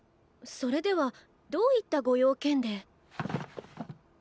それではどういったご用件で。